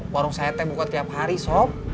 warung saya teh buka tiap hari sob